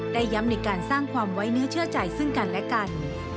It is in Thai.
ได้ย้ำในการสร้างความไว้เนื้อเชื่อใจซึ่งกันและกัน